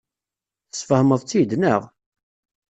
Tesfehmeḍ-tt-id, naɣ?